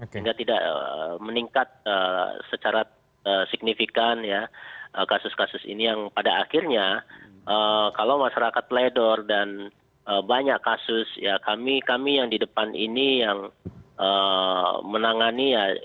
sehingga tidak meningkat secara signifikan ya kasus kasus ini yang pada akhirnya kalau masyarakat pledor dan banyak kasus ya kami yang di depan ini yang menangani ya